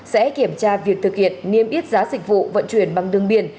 sẽ kiểm tra việc thực hiện niêm yết giá dịch vụ vận chuyển bằng đường biển